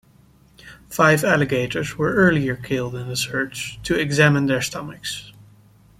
Five alligators were earlier killed in the search, to examine their stomachs.